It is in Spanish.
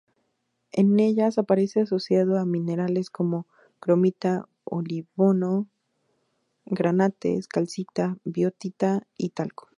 En ellas, aparece asociado a minerales como: cromita, olivino, granates, calcita, biotita y talco.